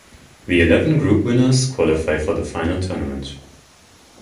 The eleven group winners qualify for the final tournament.